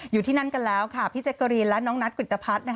อยู่ที่นั่นกันแล้วค่ะพี่แจ๊กกะรีนและน้องนัทกริตภัทร